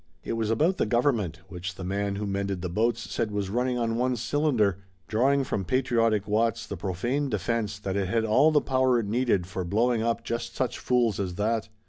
It was about the Government, which the man who mended the boats said was running on one cylinder, drawing from patriotic Watts the profane defense that it had all the power it needed for blowing up just such fools as that!